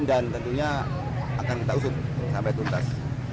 dan tentunya akan kita usup sampai tuntas